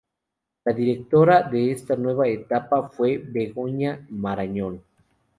La directora de esta nueva etapa fue Begoña Marañón.